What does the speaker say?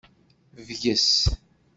Bges.